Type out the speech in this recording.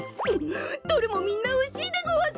どれもみんなおいしいでごわす！